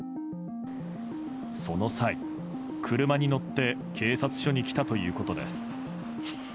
その際、車に乗って警察署に来たということです。